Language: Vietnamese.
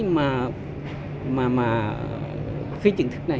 mà phi chính thức này